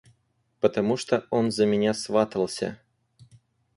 – Потому что он за меня сватался.